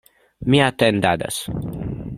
Mi atendadas.